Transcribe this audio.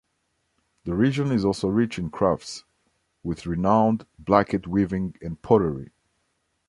The region is also rich in crafts, with renowned blanket-weaving and pottery.